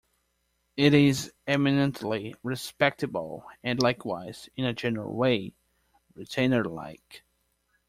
It is eminently respectable, and likewise, in a general way, retainer-like.